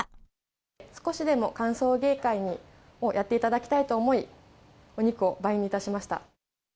少しでも歓送迎会をやっていただきたいと思い、お肉を倍にいたしました。